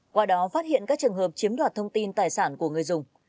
qua đó phát hiện các trường hợp chiếm đoạt thông tin tài sản của người dùng